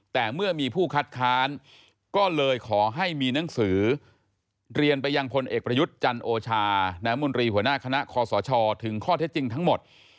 แต่เมื่อมีผู้คัดค้านก็เลยขอให้มีหนังสือเรียนไปยังพลเอกประยุทธ์จันโอชาน้ำมนตรีหัวหน้าคณะคอสชถึงข้อเท็จจริงทั้งหมด